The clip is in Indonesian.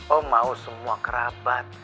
om mau semua kerabat